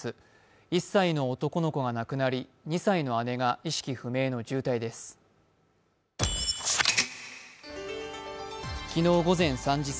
１歳の男の子が亡くなり２歳の姉が意識不明の重体です。